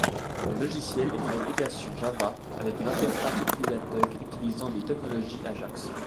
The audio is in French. Le logiciel est une application Java, avec une interface utilisateur utilisant des technologies Ajax.